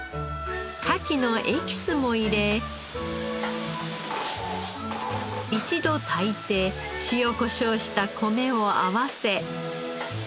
カキのエキスも入れ一度炊いて塩コショウした米を合わせ。